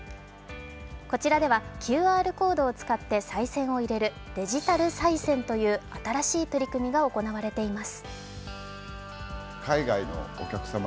こちらではＱＲコードを使ってさい銭を入れるデジタルさい銭という新しい取り組みが行われています。